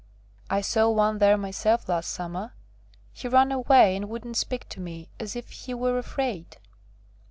I saw one there myself last summer; he ran away and wouldn't speak to me, as if he were afraid."